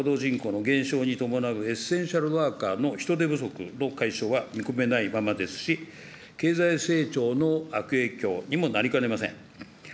これでは高齢化や労働人口の減少に伴うエッセンシャルワーカーの人手不足の解消は見込めないままですし、経済成長の悪影響にもなりかねません。